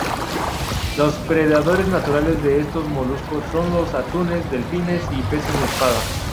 Los predadores naturales de estos moluscos son los atunes, delfines y peces espada.